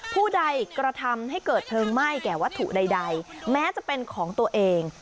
ผู้ใดกระทำให้เกิดเพลิงไหม้แก่วัตถุใดแม้จะเป็นของตัวเอง